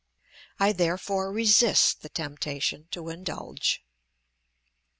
I therefore resist the temptation to indulge.